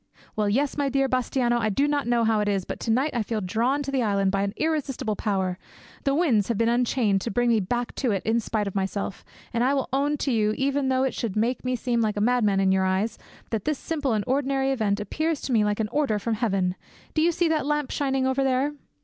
"Well, yes, my dear Bastiano, I do not know how it is, but to night I feel drawn to the island by an irresistible power. The winds have been unchained to bring me back to it in spite of myself, and I will own to you, even though it should make me seem like a madman in your eyes, that this simple and ordinary event appears to me like an order from heaven. Do you see that lamp shining over there?"